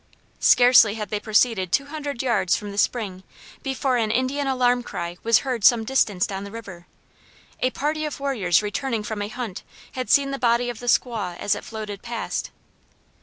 Scarcely had they proceeded two hundred yards from the spring before an Indian alarm cry was heard some distance down the river. A party of warriors returning from a hunt had seen the body of the squaw as it floated past.